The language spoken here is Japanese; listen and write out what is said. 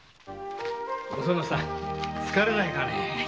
おそのさん疲れないかね？